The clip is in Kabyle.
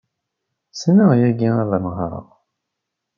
Ssneɣ yagi ad nehṛeɣ.